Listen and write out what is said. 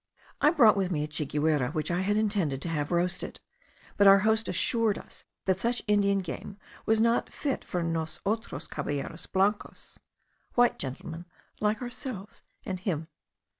I had brought with me a chiguire, which I had intended to have roasted; but our host assured us, that such Indian game was not food fit for nos otros caballeros blancos, (white gentlemen like ourselves and him).